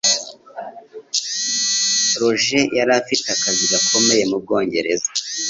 Roger yari afite akazi gakomeye mu bwongereza